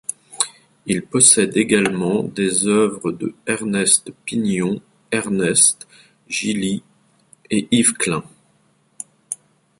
Il possède également des œuvres de Ernest Pignon-Ernest, Gilli, et Yves Klein.